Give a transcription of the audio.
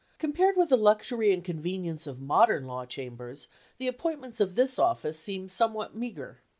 Compared with the luxury and convenience of modern law chambers, the appointments of this office seem somewhat meager.